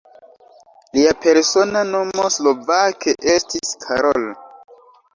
Lia persona nomo slovake estis "Karol".